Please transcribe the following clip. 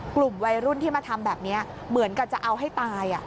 กลุ่มวัยรุ่นที่มาทำแบบนี้เหมือนกับจะเอาให้ตาย